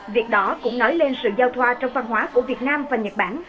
việc đó cũng nói lên sự giao thoa trong văn hóa của việt nam và nhật bản